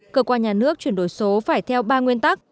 cơ quan nhà nước chuyển đổi số phải theo ba nguyên tắc